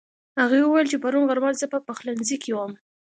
هغې وويل چې پرون غرمه زه په پخلنځي کې وم